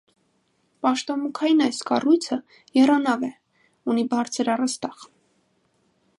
Պաշտամունքային այս կառույցը եռանավ է, ունի բարձր առաստաղ։